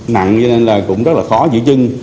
nặng cho nên là cũng rất là khó giữ chân